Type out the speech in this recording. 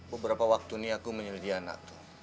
beberapa waktu ini aku menyelidik anak itu